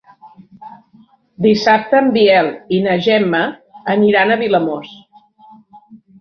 Dissabte en Biel i na Gemma aniran a Vilamòs.